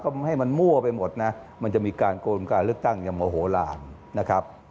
ก็ให้มันมั่วไปหมดนะมันจะมีการโกนการเลือกตั้งอย่างโมโหลานนะครับ